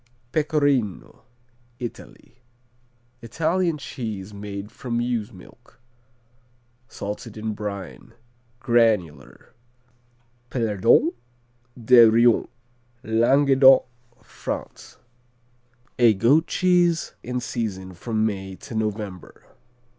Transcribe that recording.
Pecorino Italy Italian cheese made from ewe's milk. Salted in brine. Granular. Pelardon de Rioms Languedoc, France A goat cheese in season from May to November.